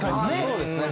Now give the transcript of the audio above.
そうですね。